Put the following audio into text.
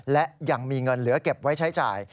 และยังมีเงินเหลือเก็บไว้ใช้จ่าย